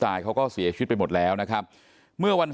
ตลอดทั้งคืนตลอดทั้งคืน